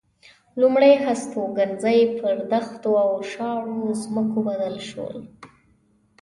لومړ هستوګنځي پر دښتو او شاړو ځمکو بدل شول.